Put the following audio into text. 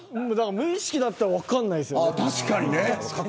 無意識だったら分からないですよね。